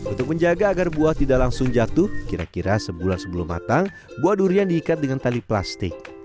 untuk menjaga agar buah tidak langsung jatuh kira kira sebulan sebelum matang buah durian diikat dengan tali plastik